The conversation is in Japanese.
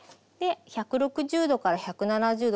１６０℃１７０℃